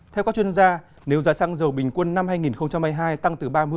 theo các chuyên gia nếu giá xăng dầu bình quân năm hai nghìn hai mươi hai tăng từ ba mươi